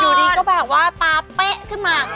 อยู่ดีก็แบบว่าตาเป๊ะขึ้นมา